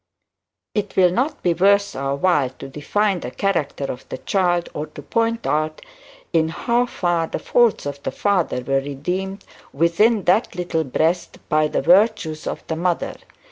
It will not be worth our while to define the character of the child, or to point out in how far the faults of the father were redeemed within that little breast by the virtues of the mother.